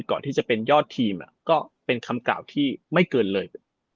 ก่อนที่จะเป็นยอดทีมก็เป็นคำกล่าวที่ไม่เกินเลย